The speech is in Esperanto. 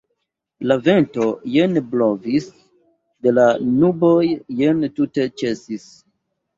La vento jen blovis de la nuboj, jen tute ĉesis.